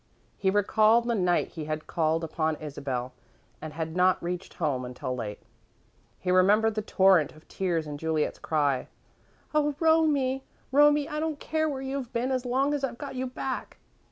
He recalled the night he had called upon Isabel and had not reached home until late. He remembered the torrent of tears and Juliet's cry: "Oh, Romie! Romie! I don't care where you've been as long as I've got you back!"